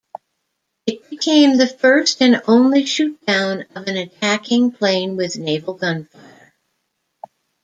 It became the first and only shootdown of an attacking plane with naval gunfire.